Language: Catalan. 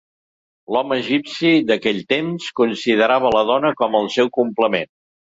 L'home egipci d'aquell temps considerava la dona com el seu complement.